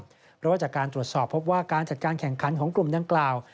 เพราะว่าจากการตรวจสอบพบว่าการจัดการแข่งขันของกลุ่มดังกล่าว